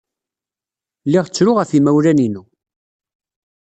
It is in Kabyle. Lliɣ ttruɣ ɣef yimawlan-inu.